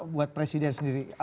buat presiden sendiri